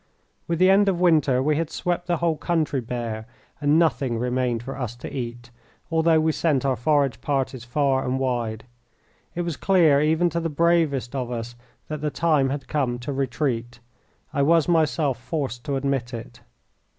With the end of the winter we had swept the whole country bare, and nothing remained for us to eat, although we sent our forage parties far and wide. It was clear even to the bravest of us that the time had come to retreat. I was myself forced to admit it.